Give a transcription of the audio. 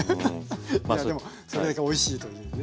まあでもそれだけおいしいというね。